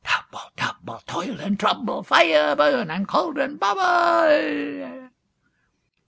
ALL. Double, double, toil and trouble; Fire, burn; and cauldron, bubble.